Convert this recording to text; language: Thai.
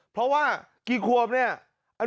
เพราะว่ากี่ขวบเนี่ย